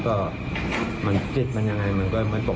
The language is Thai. ก็ไม่รอบบึกไว้จ่ง